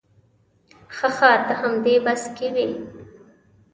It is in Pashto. ښه ښه ته همدې بس کې وې.